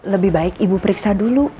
lebih baik ibu periksa dulu